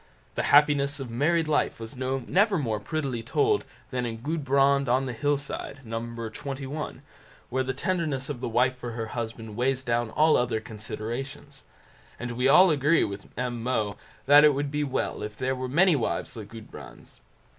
The happiness of married life was never more prettily told than in "Gudbrand on the Hillside", No. xxi, where the tenderness of the wife for her husband weighs down all other considerations; and we all agree with M. Moe that it would be well if there were many wives like Gudbrand's.